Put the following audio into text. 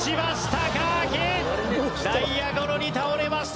貴明内野ゴロに倒れました。